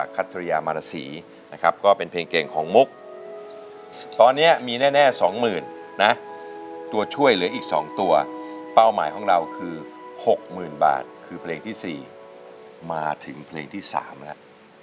คัตริยามารสีนะครับก็เป็นเพลงเก่งของมุกตอนนี้มีแน่สองหมื่นนะตัวช่วยเหลืออีก๒ตัวเป้าหมายของเราคือ๖๐๐๐บาทคือเพลงที่๔มาถึงเพลงที่๓แล้ว